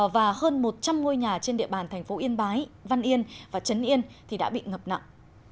và hơn một trăm linh ngôi nhà trên địa bàn thành phố yên bái văn yên và trấn yên đã bị ngập nặng